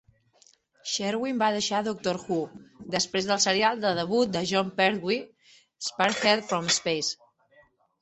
Sherwin va deixar "Doctor Who" després del serial de debut de Jon Pertwee, "Spearhead from Space".